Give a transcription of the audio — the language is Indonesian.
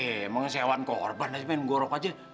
emangnya seorang korban aja main gorok aja